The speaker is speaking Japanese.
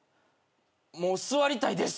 もう座りたいです。